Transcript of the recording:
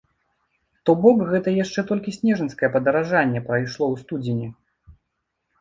То бок гэта яшчэ толькі снежаньскае падаражанне прайшло ў студзені.